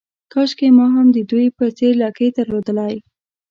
کاشکې ما هم د دوی په څېر لکۍ درلودای.